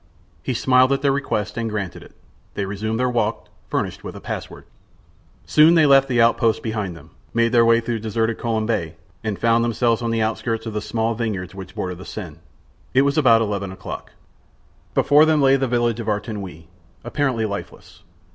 He smiled at their request, and granted it. They resumed their walk, furnished with a password. Soon they left the outposts behind them, made their way through deserted Colombes, and found themselves on the outskirts of the small vineyards which border the Seine. It was about eleven o'clock. Before them lay the village of Argenteuil, apparently lifeless.